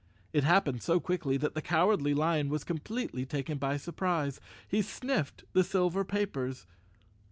It happened so quickly that the Cowardly Lion was completely taken by surprise. He sniffed the silver papers.